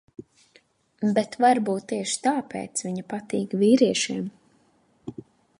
Bet varbūt tieši tāpēc viņa patīk vīriešiem.